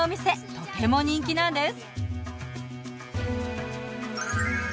とても人気なんです。